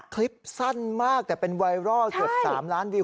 คลิปสั้นมากแต่เป็นไวรัลเกือบ๓ล้านวิว